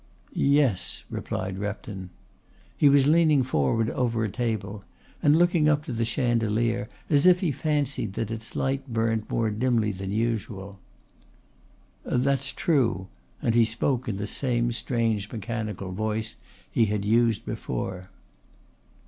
"Yes," replied Repton. He was leaning forward over a table and looking up to the chandelier as if he fancied that its light burnt more dimly than was usual. "That's true," and he spoke in the same strange mechanical voice he had used before.